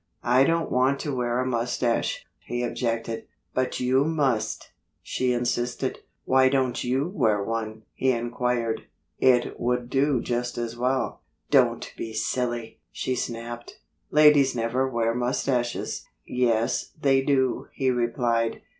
"I don't want to wear a mustache," he objected. "But you must!" she insisted. "Why don't you wear one?" he inquired. "It would do just as well." "Don't be silly!" she snapped. "Ladies never wear mustaches." "Yes, they do," he replied.